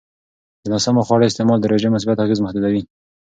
د ناسمو خوړو استعمال د روژې مثبت اغېز محدودوي.